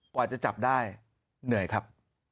กว่าจะจับได้เหนื่อยครับ